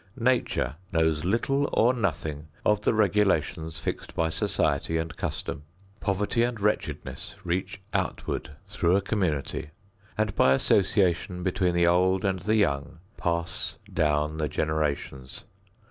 Nature knows little or nothing of the regulations fixed by society and custom. Poverty and wretchedness reach outward through a community and by association between the old and the young pass down the generations.